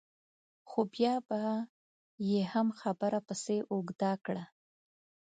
خو بیا به یې هم خبره پسې اوږده کړه.